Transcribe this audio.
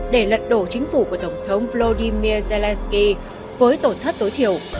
để lật đổ chính phủ của tổng thống vladimir zelensky với tổn thất tối thiểu